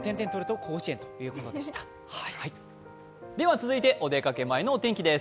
続いて、お出かけ前のお天気です。